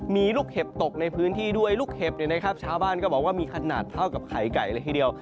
มีลูกเห็บตกในพื้นที่ด้วยลูกเห็บเนี่ยนะครับชาวบ้านก็บอกว่ามีขนาดเท่ากับไข่ไก่เลยทีเดียว